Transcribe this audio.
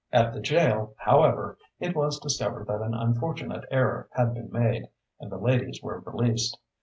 At the jail, however, it was discovered that an unfortunate error had been made, and the ladies were released.